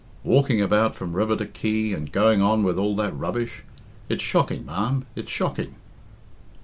Walking about from river to quay, and going on with all that rubbish it's shocking, ma'am, it's shocking!"